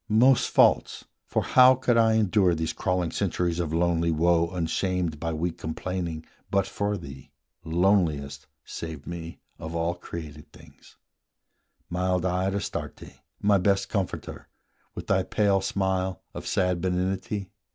most false! for how could I endure These crawling centuries of lonely woe Unshamed by weak complaining, but for thee, Loneliest, save me, of all created things, Mild eyed Astarte, my best comforter, With thy pale smile of sad benignity?